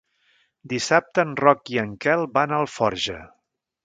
Dissabte en Roc i en Quel van a Alforja.